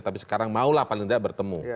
tapi sekarang maulah paling tidak bertemu